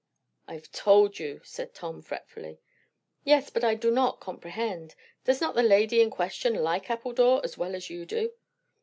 "I've told you!" said Tom fretfully. "Yes, but I do not comprehend. Does not the lady in question like Appledore as well as you do?"